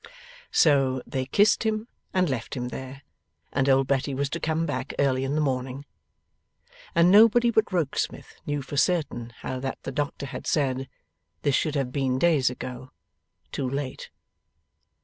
So, they kissed him, and left him there, and old Betty was to come back early in the morning, and nobody but Rokesmith knew for certain how that the doctor had said, 'This should have been days ago. Too late!